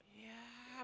ya banyak bacot